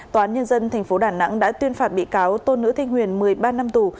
tòa án nhân dân tp đà nẵng đã tuyên phạt bị cáo tôn nữ thanh huyền một mươi ba năm tù